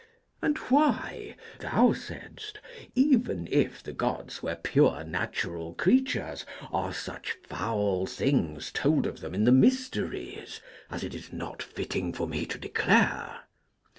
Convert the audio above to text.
And why thou saidst even if the Gods were pure natural creatures, are such foul things told of them in the Mysteries as it is not fitting for me to declare.